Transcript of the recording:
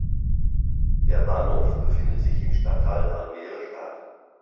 Der Bahnhof befindet sich im Stadtteil Almere Stad.